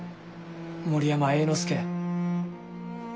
森山栄之助